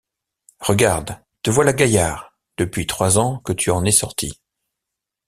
Regarde, te voilà gaillard, depuis trois ans que tu en es sorti.